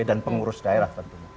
dan pengurus daerah tentunya